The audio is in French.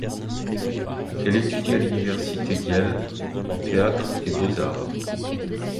Elle étudie à l'université Yale, en Théâtre et Beaux-arts.